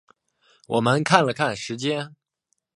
我们看了看时间